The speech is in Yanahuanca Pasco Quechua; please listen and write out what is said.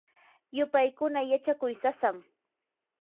yupaykuna yachakuy sasam.